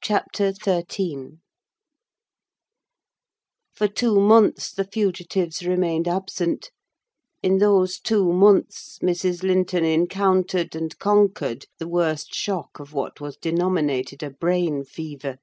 CHAPTER XIII For two months the fugitives remained absent; in those two months, Mrs. Linton encountered and conquered the worst shock of what was denominated a brain fever.